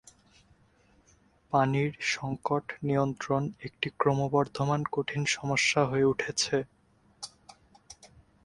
পানির সংকট নিয়ন্ত্রণ একটি ক্রমবর্ধমান কঠিন সমস্যা হয়ে উঠেছে।